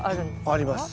あります。